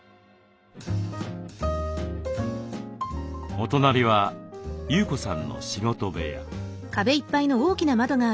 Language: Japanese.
お隣は優子さんの仕事部屋。